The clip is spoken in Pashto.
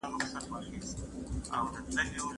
د لومړنیو مرستو بکس کي څه وي؟